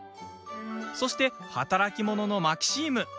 そして、働き者のマキシーム。